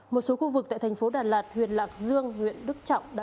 một số khu vực tại thành phố đà lạt huyện lạc dương huyện đức trọng